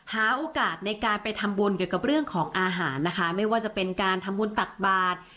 หาโอกาสในการไปทำบุญเกี่ยวกับเรื่องของอาหารนะคะไม่ว่าจะเป็นการทำบุญตักบาท